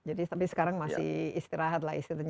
jadi tapi sekarang masih istirahat lah istrinya